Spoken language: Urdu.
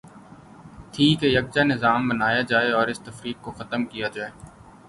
تھی کہ یکجا نظا م بنایا جائے اور اس تفریق کو ختم کیا جائے۔